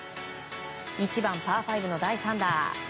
１番、パー５の第３打。